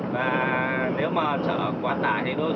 và nếu mà chở quá tải thì đôi khi